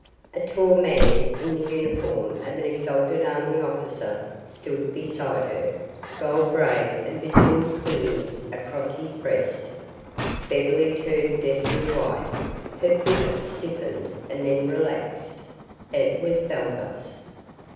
A tall man in the uniform of an exalted army officer stood beside her, gold braid and bejeweled things across his breast. Beverly turned deathly white, her figure stiffened and then relaxed. It was Baldos!